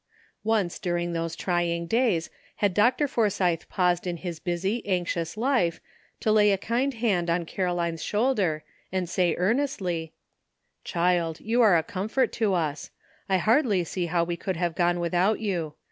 Once during those trying days had Dr. For sythe paused in his busy, anxious life, to lay a kind hand on Caroline's shoulder, and say earn estly : "Child, you are a comfort to us. I hardly see how we could have done without you.